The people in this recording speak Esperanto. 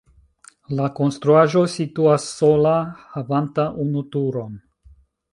La konstruaĵo situas sola havanta unu turon.